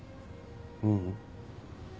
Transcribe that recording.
ううん。